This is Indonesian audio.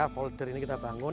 folder ini kita bangun